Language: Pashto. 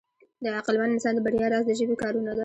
د عقلمن انسان د بریا راز د ژبې کارونه ده.